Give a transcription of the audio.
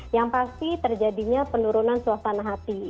yang pasti terjadinya penurunan suasana hati